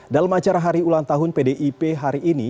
dalam acara hari ulang tahun pdip hari ini